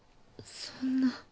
そんな。